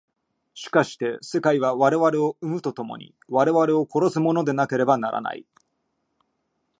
しかして世界は我々を生むと共に我々を殺すものでなければならない。